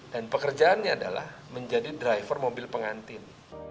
dan pekerjaannya adalah menjadi driver mobil pengantin